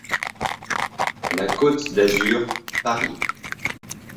La Côte d'Azur, Paris.